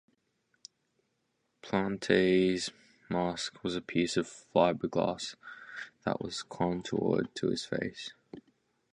Plante's mask was a piece of fiberglass that was contoured to his face.